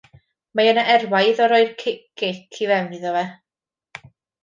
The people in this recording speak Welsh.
Mae yna erwau iddo roi'r gic i fewn iddo fe.